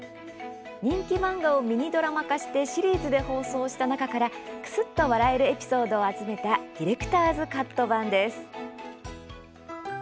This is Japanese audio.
人気漫画をミニドラマ化してシリーズで放送した中からくすっと笑えるエピソードを集めたディレクターズカット版です。